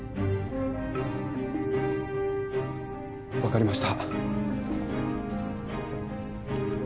わかりました。